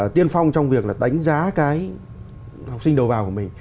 tiên phong trong việc là đánh giá cái học sinh đầu vào của mình